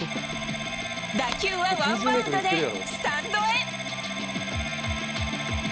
打球はワンバウンドでスタンドへ。